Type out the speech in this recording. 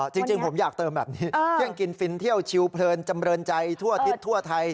จริงผมอยากเติมแบบนี้เที่ยงกินฟินเที่ยวชิวเพลินจำเรินใจทั่วอาทิตย์ทั่วไทย